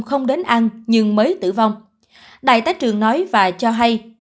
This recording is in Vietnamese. không đến ăn nhưng mới tử vong đại tá trường nói và cho hay